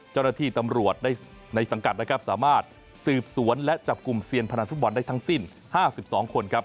เจ้าหน้าที่ตำรวจในสังกัดนะครับสามารถสืบสวนและจับกลุ่มเซียนพนันฟุตบอลได้ทั้งสิ้น๕๒คนครับ